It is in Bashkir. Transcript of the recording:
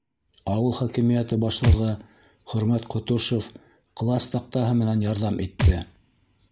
Ауыл хакимиәте башлығы Хөрмәт Ҡотошов класс таҡтаһы менән ярҙам итте.